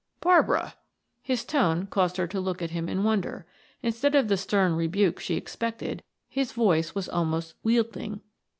"Barbara!" His tone caused her to look at him in wonder; instead of the stern rebuke she expected, his voice was almost wheedling.